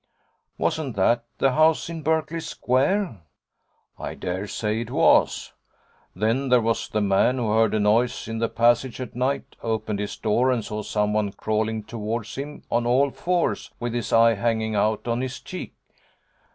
'Wasn't that the house in Berkeley Square?' 'I dare say it was. Then there was the man who heard a noise in the passage at night, opened his door, and saw someone crawling towards him on all fours with his eye hanging out on his cheek.